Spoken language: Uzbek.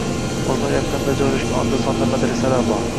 Bozor yaqinida joylashgan onda-sonda madrasalar bor.